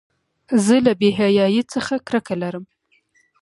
زه له بېحیایۍ څخه کرکه لرم.